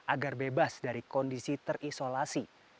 agar bebas dari kondisi terisolasi